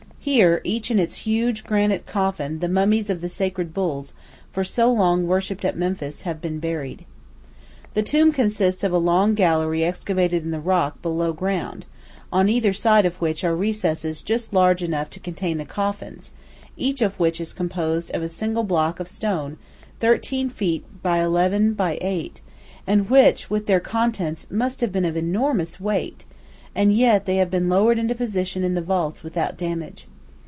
Here, each in its huge granite coffin, the mummies of the sacred bulls, for so long worshipped at Memphis, have been buried. The tomb consists of a long gallery excavated in the rock below ground, on either side of which are recesses just large enough to contain the coffins, each of which is composed of a single block of stone 13 feet by 11 by 8, and which, with their contents, must have been of enormous weight, and yet they have been lowered into position in the vaults without damage.